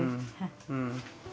うん。